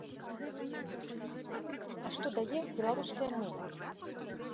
А што дае беларуская мова?